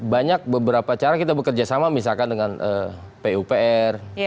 banyak beberapa cara kita bekerja sama misalkan dengan pupr